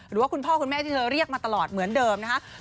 คุณพ่อคุณแม่ที่เธอเรียกมาตลอดเหมือนเดิมนะครับ